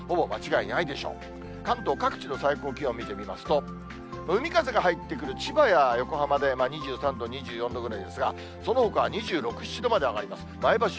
関東各地の最高気温を見てみますと、海風が入ってくる千葉や横浜で２３度、２４度ぐらいですが、そのほかは２６、７度まで上がります。